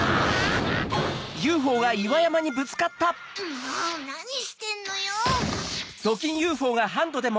もうなにしてんのよ！